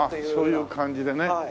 ああそういう感じでね。